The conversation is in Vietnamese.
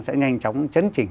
sẽ nhanh chóng chấn chỉnh